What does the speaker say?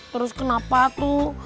terus kenapa tuh